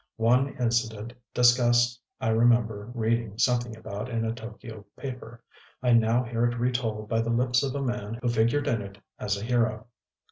One incident discussed I remember reading something about in a T┼Źky┼Ź paper: I now hear it retold by the lips of a man who figured in it as a hero.